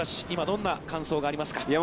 今どんな感想がありますか。